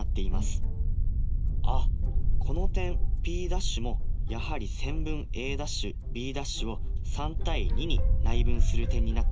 あっこの点Ｐ’もやはり線分Ａ’Ｂ’を３：２に内分する点になっていますね。